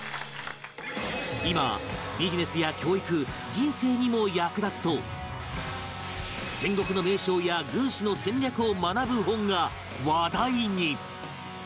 今ビジネスや教育人生にも役立つと戦国の名将や軍師の戦略を学ぶ本が話題に